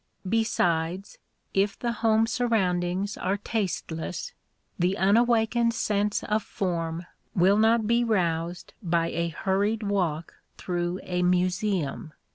Besides, if the home surroundings are tasteless, the unawakened sense of form will not be roused by a hurried walk through a museum.